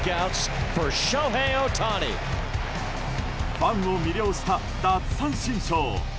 ファンを魅了した奪三振ショー。